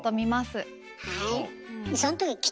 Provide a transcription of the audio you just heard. はい。